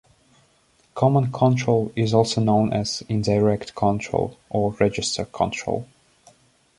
Common control is also known as indirect control or register control.